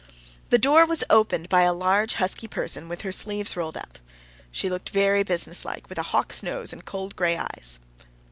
The door was opened by a large, husky person with her sleeves rolled up. She looked very businesslike, with a hawk's nose and cold gray eyes.